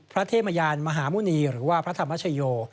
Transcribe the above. เทพยานมหาหมุณีหรือว่าพระธรรมชโย